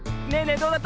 どうだった？